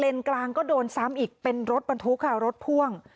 กลางก็โดนซ้ำอีกเป็นรถบรรทุกค่ะรถพ่วง